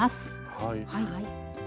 はい。